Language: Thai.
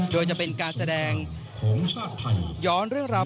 โดยจะเป็นการแสดงย้อนเรื่องราว